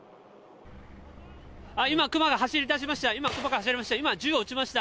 今、クマが走り出しました。